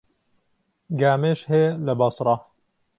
گامێش هەیە لە بەسڕە.